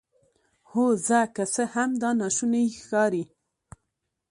هو زه که څه هم دا ناشونی ښکاري